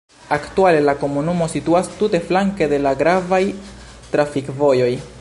Aktuale la komunumo situas tute flanke de la gravaj trafikvojoj.